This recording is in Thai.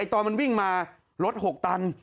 ตอนมันวิ่งมารถ๖ตัน